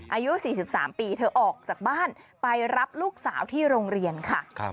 อายุ๔๓ปีเธอออกจากบ้านไปรับลูกสาวที่โรงเรียนค่ะ